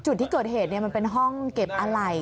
จุดที่เกิดเหตุมันเป็นห้องเก็บอะไหล่